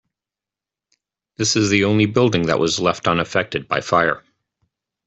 This is the only building that was left unaffected by fire.